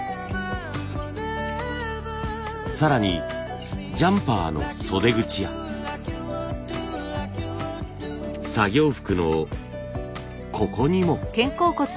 更にジャンパーの袖口や作業服のここにも。